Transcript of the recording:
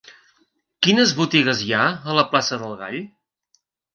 Quines botigues hi ha a la plaça del Gall?